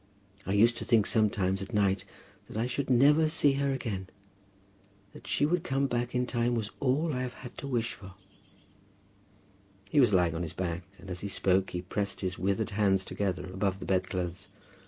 I used to think sometimes, at night, that I should never see her again. That she would come back in time was all I have had to wish for." He was lying on his back, and as he spoke he pressed his withered hands together above the bedclothes.